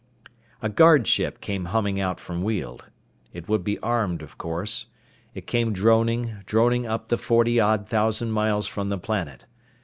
A guard ship came humming out from Weald. It would be armed, of course. It came droning, droning up the forty odd thousand miles from the planet.